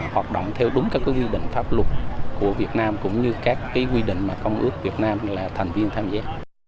hoạt động theo đúng các quy định pháp luật của việt nam cũng như các quy định mà công ước việt nam là thành viên tham gia